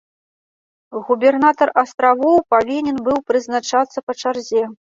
Губернатар астравоў павінен быў прызначацца па чарзе.